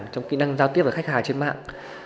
trong kỹ năng giao tiếp với khách hàng trên mạng